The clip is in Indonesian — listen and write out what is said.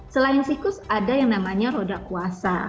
selain siklus ada yang namanya roda kuasa